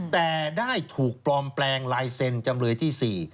แต่ได้ถูกปลอมแปลงลายเซ็นต์จำเลยที่๔